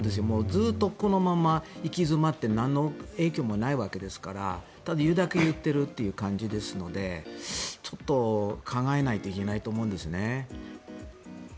ずっとこのまま行き詰まってなんの影響もないわけですからただ言うだけ言っているという感じですのでちょっと考えないといけないと思うんですね。